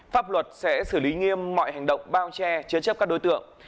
pháp luật sẽ xử lý nghiêm mọi hành động bao che chế chấp các đối tượng